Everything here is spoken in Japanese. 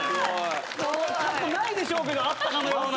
これは過去ないでしょうけどあったかのような。